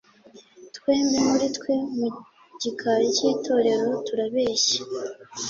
twembi muri twe mu gikari cy'itorero turabeshya,